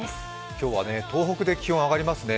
今日は東北で気温が上がりますね。